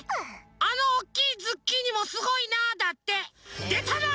「あのおっきいズッキーニもすごいな」だって。